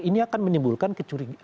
ini akan menimbulkan kecurigaan